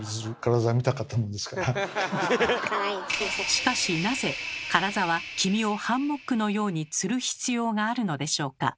しかしなぜカラザは黄身をハンモックのようにつる必要があるのでしょうか？